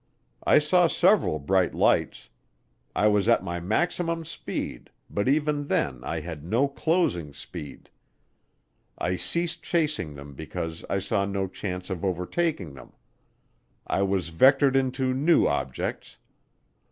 I saw several bright lights. I was at my maximum speed, but even then I had no closing speed. I ceased chasing them because I saw no chance of overtaking them. I was vectored into new objects.